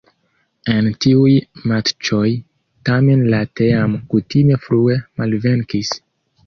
En tiuj matĉoj tamen la teamo kutime frue malvenkis.